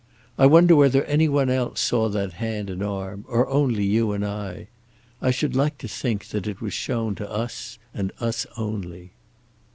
I wonder whether any one else saw that hand and arm, or only you and I. I should like to think that it was shown to us, and us only."